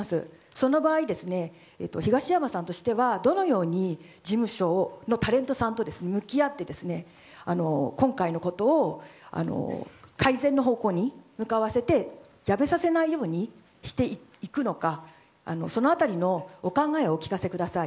その場合、東山さんとしてはどのように事務所のタレントさんと向き合って今回のことを改善の方向に向かわせて辞めさせないようにしていくのかその辺りのお考えをお聞かせください。